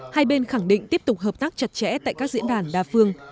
hai bên khẳng định tiếp tục hợp tác chặt chẽ tại các diễn đàn đa phương